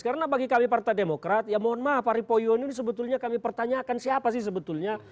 karena bagi kami partai demokrat ya mohon maaf arief poyono ini sebetulnya kami pertanyakan siapa sih sebetulnya